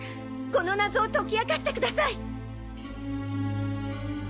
この謎を解き明かしてください！